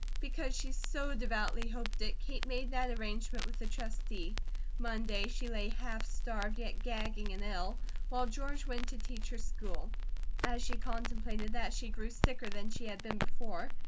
Because she so devoutly hoped it, Kate made that arrangement with the Trustee. Monday, she lay half starved, yet gagging and ill, while George went to teach her school. As she contemplated that, she grew sicker than she had been before.